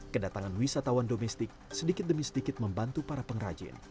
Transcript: kedatangan wisatawan domestik sedikit demi sedikit membantu para pengrajin